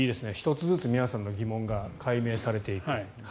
１つずつ皆さんの疑問が解明されていく。